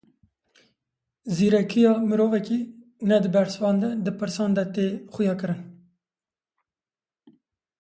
Zîrekiya mirovekî ne di bersivan de, di pirsan de tê xuyakirin.